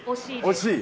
惜しい。